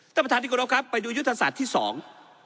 เจ้าประธานดิกุฎาคับไปดูยุทธศาสตร์ที่สอง